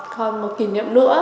còn một kỷ niệm nữa